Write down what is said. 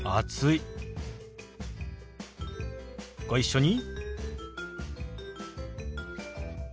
ご一緒に。